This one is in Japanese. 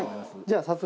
じゃあ。